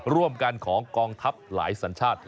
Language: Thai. ร่วมกันของกองทัพหลายสัญชาติ